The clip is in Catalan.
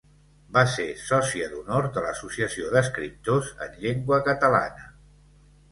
Va ser sòcia d'honor de l'Associació d'Escriptors en Llengua Catalana.